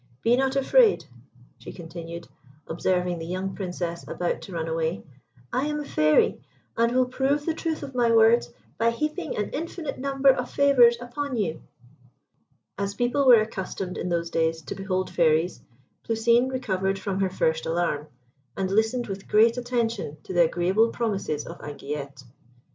Be not afraid," she continued, observing the young Princess about to run away. "I am a Fairy, and will prove the truth of my words by heaping an infinite number of favours upon you." As people were accustomed in those days to behold Fairies, Plousine recovered from her first alarm, and listened with great attention to the agreeable promises of Anguillette.